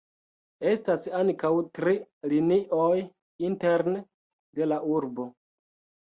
Estas ankaŭ tri linioj interne de la urbo.